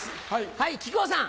はい木久扇さん。